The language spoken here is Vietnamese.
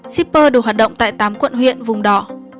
shipper đủ hoạt động tại tám quận huyện vùng đỏ